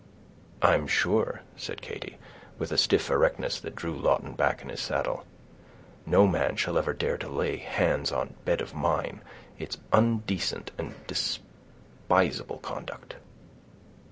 "I'm sure," said Katy, with a stiff erectness that drew Lawton back in his saddle, "no man shall ever dare to lay hands on bed of mine; it's undecent and despisable conduct."